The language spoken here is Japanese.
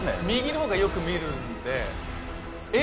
右のほうがよく見るんで「Ａ」。